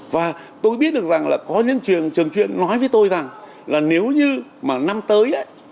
và tôi biết được rằng là có những trường chuyện nói với tôi rằng là nếu như mà năm tới